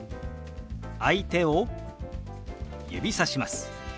相手を指さします。